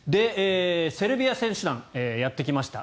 セルビア選手団やってきました。